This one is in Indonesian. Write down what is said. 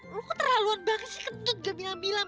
lu kok terlaluan banget sih kentut nggak bilang bilang